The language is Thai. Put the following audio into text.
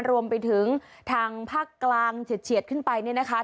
รวมไปถึงทางภาคกลางเฉียดขึ้นไปเนี่ยนะคะ